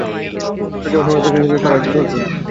পড়ে যাওয়ার সময় পেছনে ছিল তাঁর একমাত্র মেয়ে এবং বাসার গৃহকর্মী।